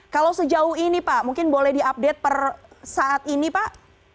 kalau sejauh ini pak mungkin boleh diupdate per saat ini pak